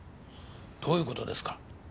どういう事ですか？